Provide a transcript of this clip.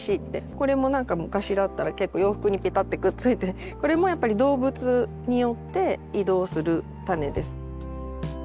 これもなんか昔だったら結構洋服にペタってくっついてこれもやっぱり動物によって移動する種です。